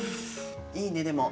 いいねでも。